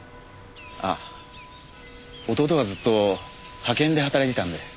あ弟はずっと派遣で働いていたんで。